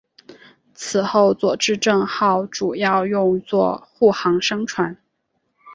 此后佐治镇号主要用作护航商船。